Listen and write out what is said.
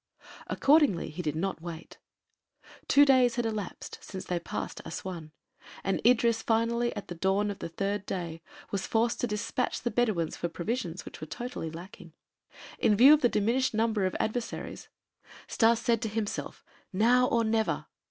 Accordingly he did not wait. Two days had elapsed since they passed Assuan, and Idris finally at the dawn of the third day was forced to despatch the Bedouins for provisions, which were totally lacking. In view of the diminished number of adversaries Stas said to himself: "Now or never!"